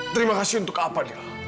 terima kasih untuk apa nih